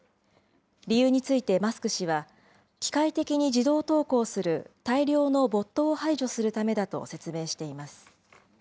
理由についてマスク氏は、機械的に自動投稿する大量のボットを排除するためだと説明しています。